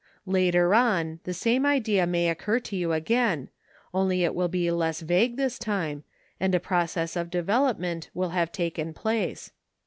Later on the same idea may occur to you again, only it will be less vague this time, and a process of development will have taken place.